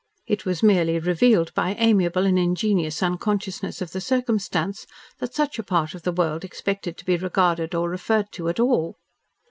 It was merely revealed by amiable and ingenuous unconsciousness of the circumstance that such a part of the world expected to be regarded or referred to at all.